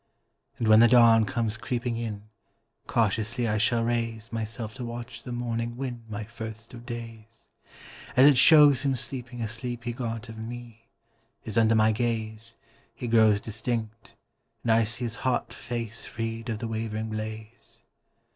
And when the dawn comes creeping in, Cautiously I shall raise Myself to watch the morning win My first of days, As it shows him sleeping a sleep he got Of me, as under my gaze, He grows distinct, and I see his hot Face freed of the wavering blaze.